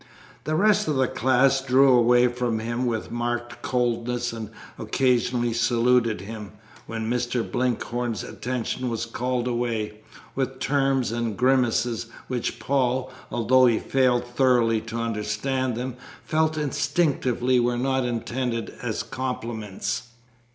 The rest of the class drew away from him with marked coldness and occasionally saluted him (when Mr. Blinkhorn's attention was called away) with terms and grimaces which Paul, although he failed thoroughly to understand them, felt instinctively were not intended as compliments.